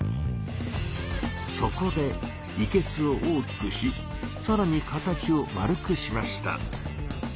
そこでいけすを大きくしさらに形を円くしました。